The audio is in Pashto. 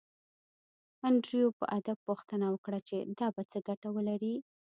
انډریو په ادب پوښتنه وکړه چې دا به څه ګټه ولري